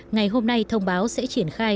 ngày hôm nay thông báo sẽ triển khai